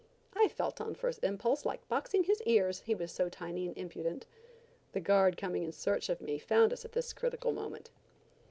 I felt on first impulse like boxing his ears, he was so tiny and impudent. The guard coming in search of me, found us at this critical moment.